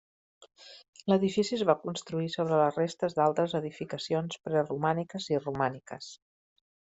L'edifici es va construir sobre les restes d'altres edificacions preromàniques i romàniques.